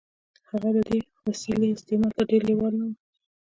هغه د دې وسیلې استعمال ته ډېر لېوال نه و